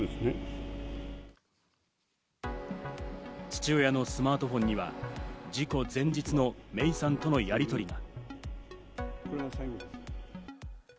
父親のスマートフォンには事故前日の芽生さんとのやりとりが。